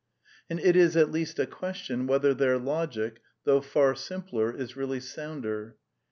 And it is at least a question whether their logic, though far simpler, is really sounder.